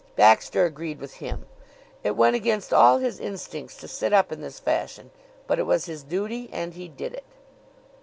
Baxter agreed with him. It went against all his instincts to sit up in this fashion; but it was his duty and he did it.